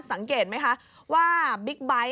สังเกตไหมคะว่าบิ๊กไบท์